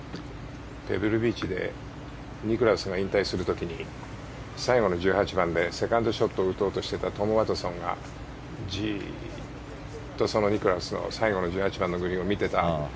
ペブルビーチでニクラウスが引退する時に最後の１８番でセカンドショットを打とうとしていたトム・ワトソンがじーっと、ニクラウスの最後の１８番のグリーンを見ていた。